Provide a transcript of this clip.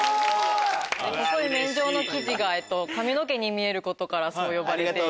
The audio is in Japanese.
細い麺状の生地が髪の毛に見えることから呼ばれています。